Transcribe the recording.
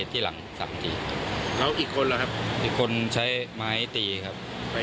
ไว้อีกคนใช้ไม้ตีครับ